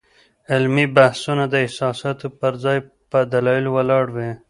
علمي بحثونه د احساساتو پر ځای په دلایلو ولاړ وي.